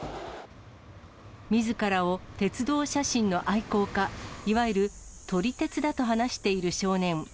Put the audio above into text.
みずからを鉄道写真の愛好家、いわゆる撮り鉄だと話している少年。